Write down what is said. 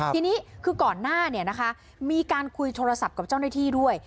ทีนี้คือก่อนหน้ามีการคุยโทรศัพท์กับเจ้าหน้าที่ด้วย